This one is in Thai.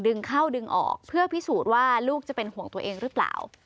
ดึงเข้าดึงออกเพื่อพิสูจน์ว่าลูกจะเป็นห่วงตัวเองหรือเปล่า